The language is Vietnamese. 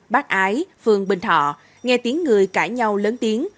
bác ái phường bình thọ nghe tiếng người cãi nhau lớn tiếng